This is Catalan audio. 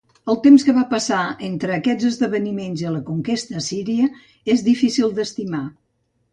El temps que va passar entre aquests esdeveniments i la conquesta assíria és difícil d'estimar.